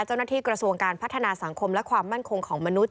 เจ้าหน้าที่กระทรวงการพัฒนาสังคมและความมั่นคงของมนุษย